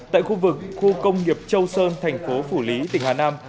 tại khu vực khu công nghiệp châu sơn tp phủ lý tỉnh hà nam